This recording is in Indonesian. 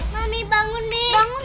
mami bangun nih